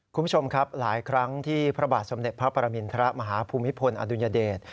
คุณผู้ชมครับหลายครั้งที่พระบาทสมเด็จพระปรมินทรมาฮภูมิพลอดุญเดช